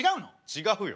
違うよ。